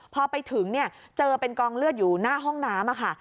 พอไปถึงเจอเป็นกองเลือดอยู่หน้าห้องน้ำ